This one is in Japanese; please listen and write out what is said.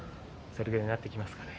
それくらいになってきますかね。